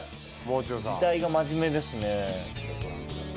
字体が真面目ですね。